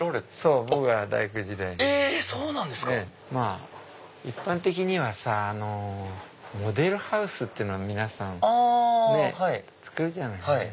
まぁ一般的にはさモデルハウスっていうのを皆さん造るじゃない。